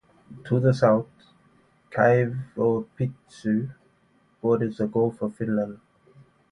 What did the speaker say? To the south, Kaivopuisto borders the Gulf of Finland.